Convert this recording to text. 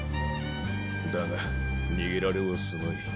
だが逃げられはすまい。